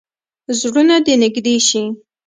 زړونه دې نږدې شي.